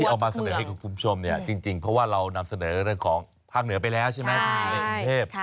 ที่เอามาเสนอให้คุณคุณชมเนี้ยจริงเพราะว่าเรานำเสนอเรื่องของภ้างเหนือไปแล้วใช่ไหม